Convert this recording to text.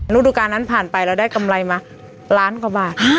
ดูการนั้นผ่านไปเราได้กำไรมาล้านกว่าบาท